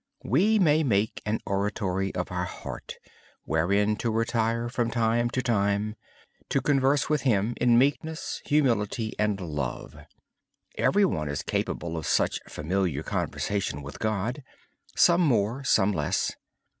We may make an oratory of our heart so we can, from time to time, retire to converse with Him in meekness, humility, and love. Every one is capable of such familiar conversation with God, some more, some less.